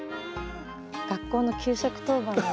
学校の給食当番の。